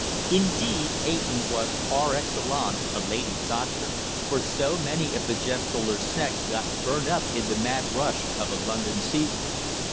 Indeed, Eyton was par excellence a ladies' doctor, for so many of the gentler sex get burnt up in the mad rush of a London season.